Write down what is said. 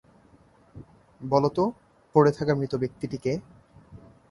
বলো তো পড়ে থাকা মৃত ব্যক্তিটি কে?